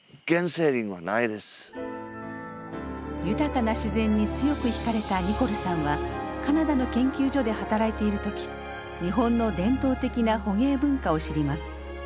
豊かな自然に強く引かれたニコルさんはカナダの研究所で働いている時日本の伝統的な捕鯨文化を知ります。